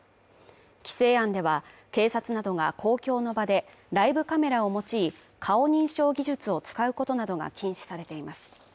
規制案では、警察などが公共の場で、ライブカメラを用い顔認証技術を使うことなどが禁止されています。